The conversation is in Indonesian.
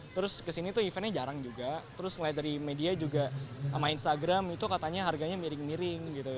terus kesini tuh eventnya jarang juga terus ngeliat dari media juga sama instagram itu katanya harganya miring miring gitu